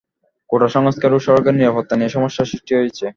কোটা সংস্কার ও সড়কের নিরাপত্তা নিয়ে সমস্যা সৃষ্টি হয়েছে।